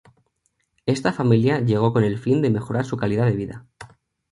Esta familia llegó con el fin de mejorar su calidad de vida.